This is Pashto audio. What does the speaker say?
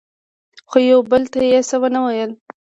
خو یو بل ته یې څه ونه ویل.